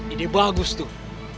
ide bagus tuh